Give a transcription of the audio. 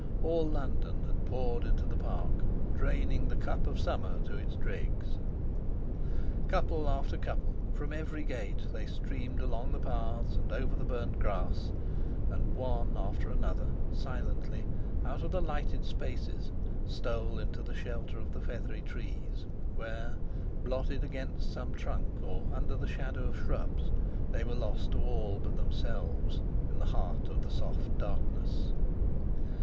All London had poured into the Park, draining the cup of summer to its dregs. Couple after couple, from every gate, they streamed along the paths and over the burnt grass, and one after another, silently out of the lighted spaces, stole into the shelter of the feathery trees, where, blotted against some trunk, or under the shadow of shrubs, they were lost to all but themselves in the heart of the soft darkness.